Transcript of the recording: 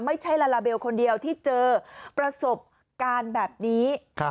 ไม่ใช่ลาลาเบลคนเดียวที่เจอประสบการณ์แบบนี้